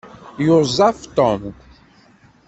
Yuẓẓaf Tom.